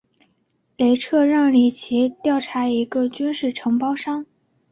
雷彻让里奇调查一个军事承包商。